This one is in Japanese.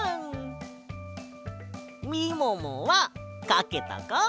みももはかけたか？